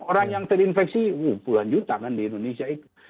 orang yang terinfeksi puluhan juta kan di indonesia itu